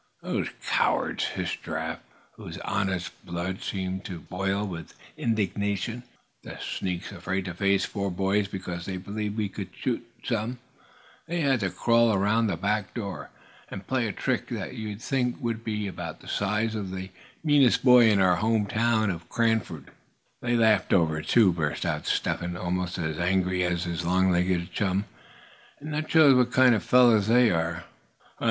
"The cowards!" hissed Giraffe, whose honest blood seemed to almost boil with indignation; "the sneaks! Afraid to face four boys because they believed we could shoot some, they had to crawl around to the back door, and play a trick that you'd think would be about the size of the meanest boy in our home town of Cranford, Brose Griffin." "They laughed over it, too," burst out Step Hen, almost as angry as his long legged chum, "and that shows what kind of fellows they are."